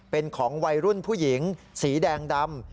เป็นของวัยรุ่นผู้หญิงสีแดงดำ